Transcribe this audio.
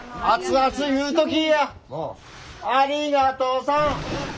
ありがとさん！